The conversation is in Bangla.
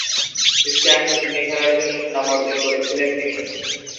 স্ট্যাম্প ভেঙ্গে ফেলার জন্য সুনাম অর্জন করেছিলেন তিনি।